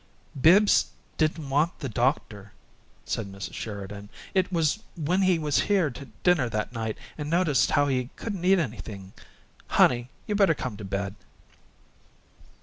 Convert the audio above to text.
"Bibbs didn't want the doctor," said Mrs. Sheridan. "It was when he was here to dinner that night, and noticed how he couldn't eat anything. Honey, you better come to bed."